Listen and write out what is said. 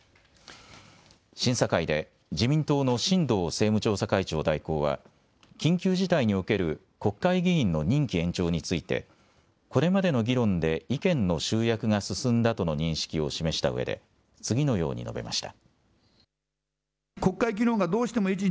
審査会で自民党の新藤政務調査会長代行は緊急事態における国会議員の任期延長についてこれまでの議論で意見の集約が進んだとの認識を示したうえで次のように述べました。